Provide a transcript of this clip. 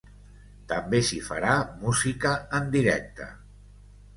També s’hi farà música en directe.